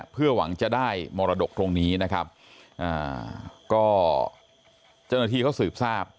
เพื่อหวังจะได้มรดกตรงนี้นะครับอ่าก็เจ้าหน้าที่เขาสืบทราบ